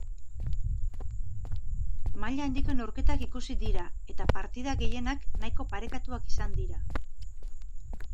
Maila handiko neurketak ikusi dira eta partida gehienak nahiko parekatuak izan dira.